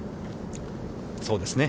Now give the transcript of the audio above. そうですね。